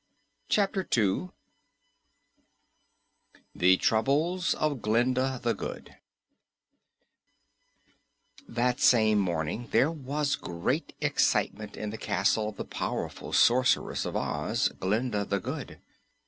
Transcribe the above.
CHAPTER 2 THE TROUBLES OF GLINDA THE GOOD That same morning there was great excitement in the castle of the powerful Sorceress of Oz, Glinda the Good.